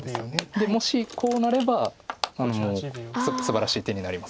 でもしこうなればもうすばらしい手になります